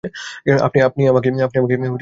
আপনি আমাকে টাকা দিয়েছেন।